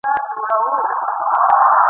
ستا پر لوري د اسمان سترګي ړندې دي ..